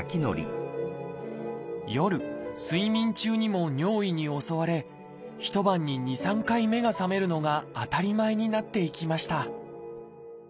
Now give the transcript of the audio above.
夜睡眠中にも尿意に襲われ一晩に２３回目が覚めるのが当たり前になっていきました。